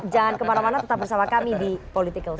jangan kemana mana tetap bersama kami di politikalshow